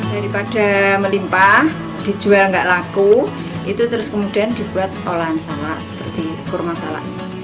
daripada melimpah dijual nggak laku itu terus kemudian dibuat olahan salak seperti kurma salak